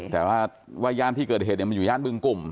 แต่ว่าย่านที่เกิดเหตุมันอยู่ย่านบึงกลุ่ม